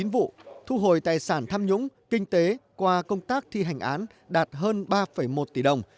vụ thu hồi tài sản tham nhũng kinh tế qua công tác thi hành án đạt hơn ba một tỷ đồng